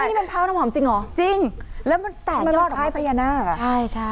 อันนี้มะพร้าวน้ำหอมจริงเหรอจริงแล้วมันแตกยอดออกมามันมันคล้ายพญานาคใช่ใช่